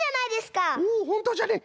おおほんとじゃね。